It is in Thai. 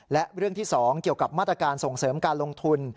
และเรื่องที่๒เกี่ยวกับมาตรการส่งเสริมการลงทุน